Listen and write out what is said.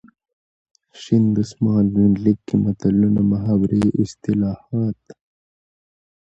شین دسمال یونلیک کې متلونه ،محاورې، اصطلاحات .